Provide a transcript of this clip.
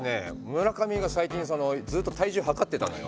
村上がさいきんずっと体重はかってたのよ。